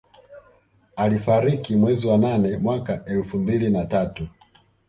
Alifariki mwezi wa nane mwaka elfu mbili na tatu